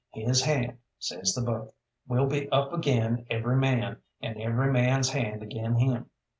'His hand,' says the book, 'will be up agin every man, and every man's hand agin him.'